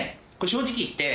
正直言って。